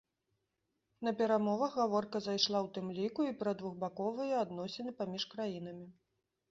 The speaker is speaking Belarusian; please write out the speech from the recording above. На перамовах гаворка зайшла ў тым ліку і пра двухбаковыя адносіны паміж краінамі.